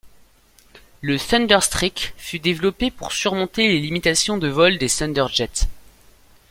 Le Thunderstreak fut développé pour surmonter les limitations de vol des Thunderjet.